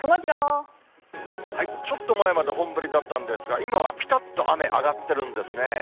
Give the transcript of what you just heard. ちょっと前まで本降りだったんですが、今はぴたっと雨、上がっているんですね。